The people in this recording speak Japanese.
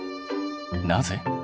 なぜ？